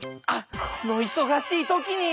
この忙しい時に！